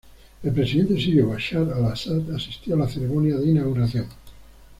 El presidente sirio Bashar al-Assad asistió a la ceremonia de inauguración.